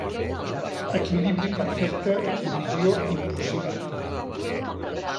Equilibri perfecte i visió impossible.